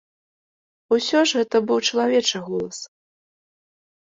Усё ж гэта быў чалавечы голас.